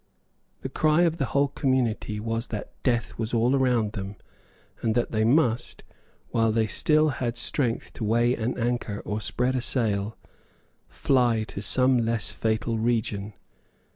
The cry of the whole community was that death was all around them, and that they must, while they still had strength to weigh an anchor or spread a sail, fly to some less fatal region.